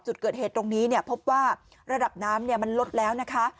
จุดเกิดเหตุตรงนี้พบว่าระดับน้ำมันลดแล้วนะคะ